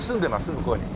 向こうに。